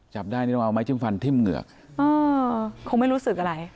จับได้นี่ต้องเอาไม้จิ้มฟันทิ่มเหงือกอ๋อคงไม่รู้สึกอะไร